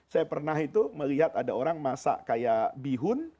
saya pernah itu melihat ada orang masak kayak bihun